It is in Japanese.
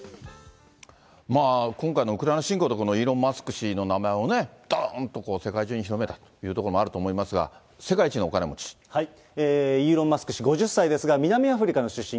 今回のウクライナ侵攻で、イーロン・マスク氏の名前をね、どーんと世界中に広めたというところもあると思いますが、世界一イーロン・マスク氏５０歳ですが、南アフリカの出身。